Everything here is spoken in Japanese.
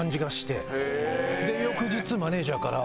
で翌日マネジャーから。